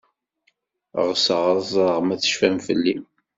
Ɣseɣ ad ẓreɣ ma tecfam fell-i.